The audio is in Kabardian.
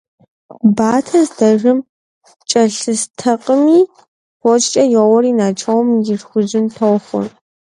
Батэ здэжэм кӀэлъыстэкъыми, фочкӀэ йоуэри Начом и шхужьым тохуэ.